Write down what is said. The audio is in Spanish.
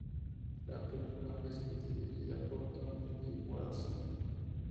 La película fue escrita y dirigida por Tommy Lee Wallace.